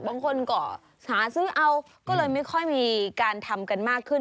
บางคนก็หาซื้อเอาก็เลยไม่ค่อยมีการทำกันมากขึ้น